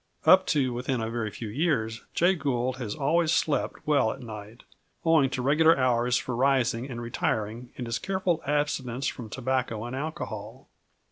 Up to within a very few years Jay Gould has always slept well at night, owing to regular hours for rising and retiring and his careful abstinence from tobacco and alcohol.